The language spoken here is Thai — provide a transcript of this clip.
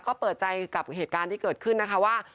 ก็เปิดใจกับเหตุการณ์ที่เกิดขึ้นนะคะว่า